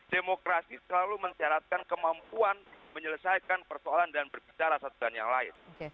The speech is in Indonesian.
demokrasi selalu mensyaratkan kemampuan menyelesaikan persoalan dan berbicara satu dan yang lain